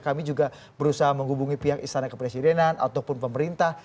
kami juga berusaha menghubungi pihak istana kepresidenan ataupun pemerintah